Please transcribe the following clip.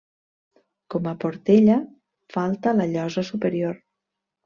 Com a la Portella, falta la llosa superior.